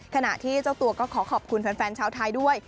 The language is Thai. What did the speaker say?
ขณะที่เจ้าตัวก็ขอขอบคุณแฟนชาวไทยด้วย